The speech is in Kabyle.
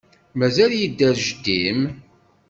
Mazal yedder jeddi-m?